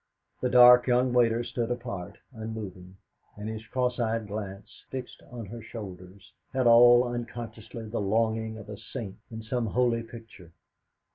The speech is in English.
The dark young waiter stood apart, unmoving, and his cross eyed glance, fixed on her shoulders, had all unconsciously the longing of a saint in some holy picture.